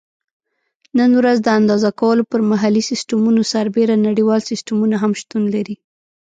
نن ورځ د اندازه کولو پر محلي سیسټمونو سربیره نړیوال سیسټمونه هم شتون لري.